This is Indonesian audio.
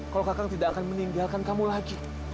kalau kakak tidak akan meninggalkan kamu lagi